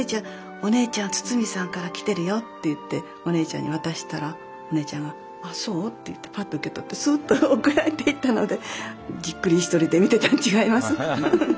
お姉ちゃん堤さんから来てるよって言ってお姉ちゃんに渡したらお姉ちゃんがあっそう？って言ってパッと受け取ってスッと奥へ入っていったのでじっくり一人で見てたん違います？